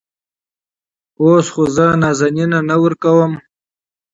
اوس خو زه نازنين نه ورکوم.